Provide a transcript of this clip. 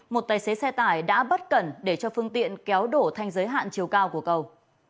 một tài xế xe tải đã bất cẩn để cho phương tiện kéo đổ thành giới hạn chiều cao của cầu